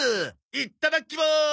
いただきまーす！